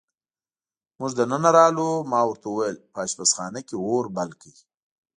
موږ دننه راغلو، ما ورته وویل: په اشپزخانه کې اور بل کړئ.